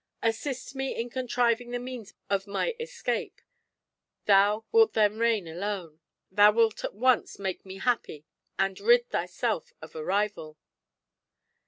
Assist me in contriving the means of my escape; thou wilt then reign alone; thou wilt at once make me happy and rid thyself of a rival.